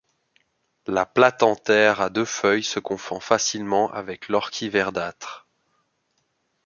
La Platanthère à deux feuilles se confond facilement avec l'orchis verdâtre.